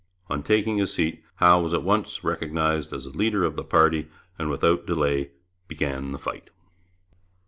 On taking his seat Howe was at once recognized as the leader of the party, and without delay began the fight.